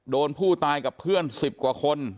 ผู้ตายกับเพื่อน๑๐กว่าคน